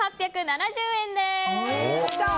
１８７０円です。